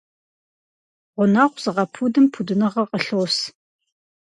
Гъунэгъу зыгъэпудым пудыныгъэ къылъос.